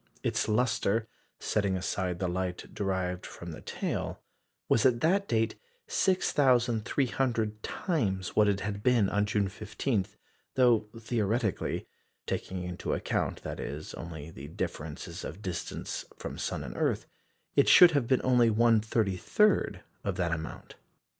Its lustre setting aside the light derived from the tail was, at that date, 6,300 times what it had been on June 15, though theoretically taking into account, that is, only the differences of distance from sun and earth it should have been only 1/33 of that amount.